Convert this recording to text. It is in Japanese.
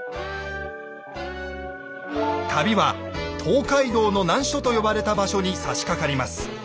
旅は東海道の難所と呼ばれた場所にさしかかります。